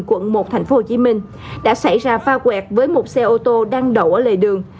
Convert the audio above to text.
quận một tp hcm đã xảy ra phao quẹt với một xe ô tô đang đậu ở lề đường